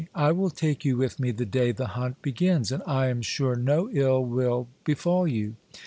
I will take you with me the day the hunt begins, and I am sure no ill will befall you."